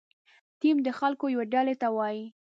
ټیم د خلکو یوې ډلې ته وایي.